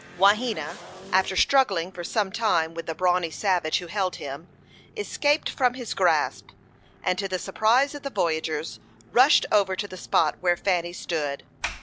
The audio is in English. Wahena, after struggling for some time with the brawny savage who held him, escaped from his grasp, and, to the surprise of the voyagers, rushed over to the spot where Fanny stood.